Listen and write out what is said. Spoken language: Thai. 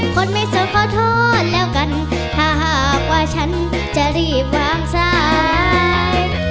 คนไม่สุขขอโทษแล้วกันถ้าหากว่าฉันจะรีบวางสาย